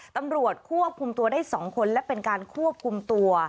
ตำรวจควบคุมตัวได้๒คนและเป็นการควบคุมตัว